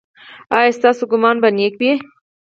ایا ستاسو ګمان به نیک وي؟